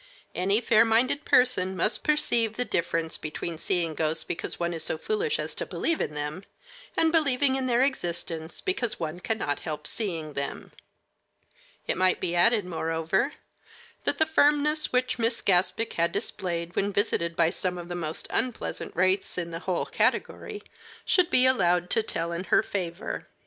Any fair minded person must perceive the difference between seeing ghosts because one is so foolish as to believe in them, and believing in their existence because one cannot help seeing them. It might be added, moreover, that the firmness which Miss Gaspic had displayed when visited by some of the most unpleasant wraiths in the whole category should be allowed to tell in her favor.